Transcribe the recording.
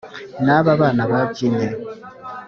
nababana babyinnye